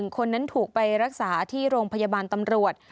คนนั้นถูกไปรักษาที่โรงพยาบาลตำรวจ